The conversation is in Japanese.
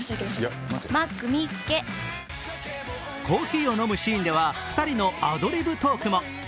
コーヒーを飲むシーンでは２人のアドリブトークも。